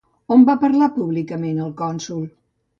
On va parlar públicament el cònsol?